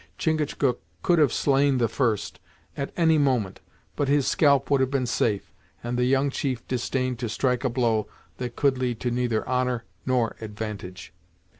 Chingachgook could have slain the first, at any moment, but his scalp would have been safe, and the young chief disdained to strike a blow that could lead to neither honor nor advantage.